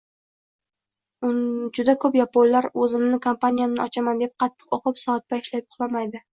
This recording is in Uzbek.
Juda koʻp yaponlar oʻzimni kompaniyamni ochaman deb qattiq oʻqib, soatbay ishlab, uxlamaydi.